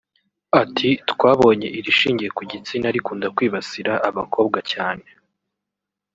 Ati “Twabonye irishingiye ku gitsina rikunda kwibasira abakobwa cyane